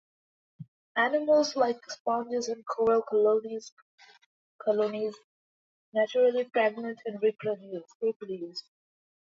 Animals like sponges and coral colonies naturally fragment and reproduce.